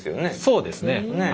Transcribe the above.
そうですね。